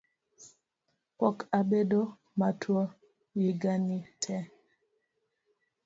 Pok abedo matuo yiga ni tee